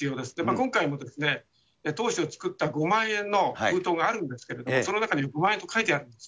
今回、当初作った５万円の封筒があるんですけれども、その中に５万円と書いてあるんです。